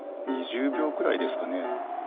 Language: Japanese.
２０びょうくらいですかね？